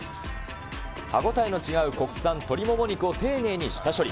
歯応えの違う国産鶏もも肉２種類と丁寧に下処理。